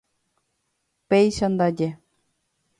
Péicha ndaje.